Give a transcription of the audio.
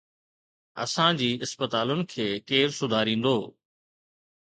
اسان جي اسپتالن کي ڪير سڌاريندو؟